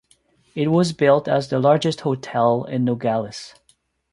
It was built as the largest hotel in Nogales.